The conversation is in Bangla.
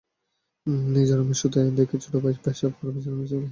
নিজের রুমে শুতে দেখে ছোট্ট ভাই পেশাব করে বিছানা ভিজিয়ে ফেলেছে।